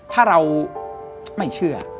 ถ้าเราไม่เชื่อ